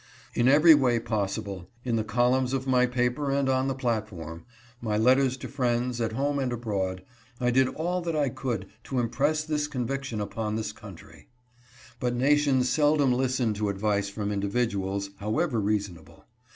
In every way possible — in the columns of my paper and on the plat form, by letters to friends, at home and abroad, I did all that I could to impress this conviction upon this country. But nations seldom listen to advice from individuals, however reasonable.